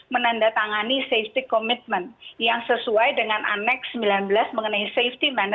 mundur tapi kemudian